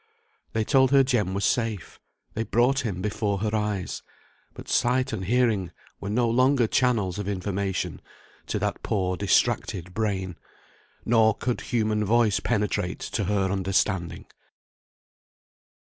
They told her Jem was safe, they brought him before her eyes; but sight and hearing were no longer channels of information to that poor distracted brain, nor could human voice penetrate to her understanding.